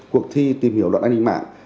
cuộc thi tìm hiểu luật an ninh mạng